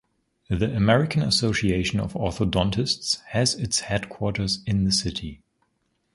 The American Association of Orthodontists has its headquarters in the city.